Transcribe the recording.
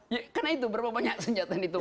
ya karena itu berapa banyak senjata yang ditemukan